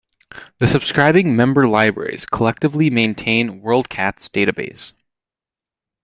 The subscribing member libraries collectively maintain WorldCat's database.